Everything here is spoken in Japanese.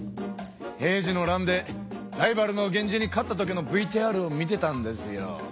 平治の乱でライバルの源氏に勝ったときのＶＴＲを見てたんですよ。